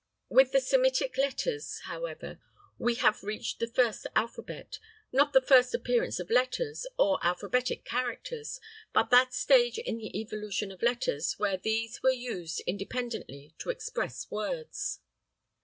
With the Semitic letters, however, we have reached the first alphabet; not the first appearance of letters, or alphabetic characters, but that stage in the evolution of letters where these were used independently to express words.